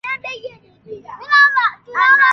za ndani Ikiwa umechukua muda wa kuandaa